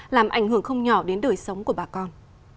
làm ảnh hưởng không nhỏ đến đời sống của bà con